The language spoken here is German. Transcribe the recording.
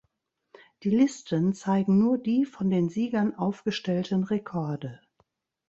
Die Listen zeigen nur die von den Siegern aufgestellten Rekorde.